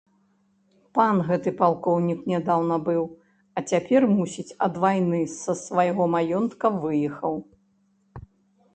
Пан гэты палкоўнік нядаўна быў, а цяпер, мусіць, ад вайны з свайго маёнтка выехаў.